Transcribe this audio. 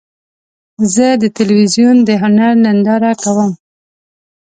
زه د تلویزیون د هنر ننداره کوم.